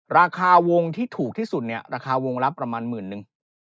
ราคาวงที่ถูกที่สุดเนี่ยราคาวงละประมาณหมื่นนึง